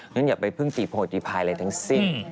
ฉะนั้นอย่าไปเพิ่งตีโพลตีพายอะไรทั้งสิ้น